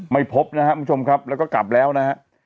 ไม่พบนะครับคุณผู้ชมครับแล้วก็กลับแล้วนะฮะ